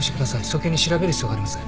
早急に調べる必要があります。